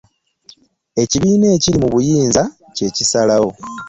Ekibiina ekiri mu buyinza kye kisalawo.